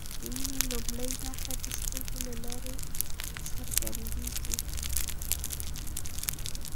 د مینې لومړۍ نښه د سترګو له لارې څرګندیږي.